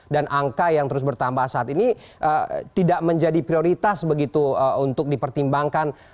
dan angka yang terus bertambah saat ini tidak menjadi prioritas begitu untuk dipertimbangkan